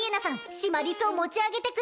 シマリスを持ち上げてくだせい。